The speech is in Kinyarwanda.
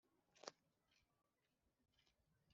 Gitera abagabo ishema n'isheja